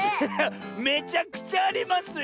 めちゃくちゃありますよ！